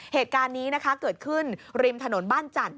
เหตุการณ์นี้นะคะเกิดขึ้นริมถนนบ้านจันทร์